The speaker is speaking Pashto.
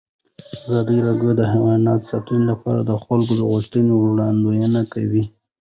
ازادي راډیو د حیوان ساتنه لپاره د خلکو غوښتنې وړاندې کړي.